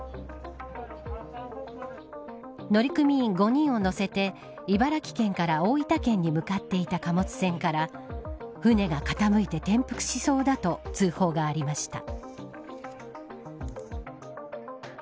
乗組員５人を乗せて茨城県から大分県に向かっていた貨物船から船が傾いて転覆しそうだと通報がありました。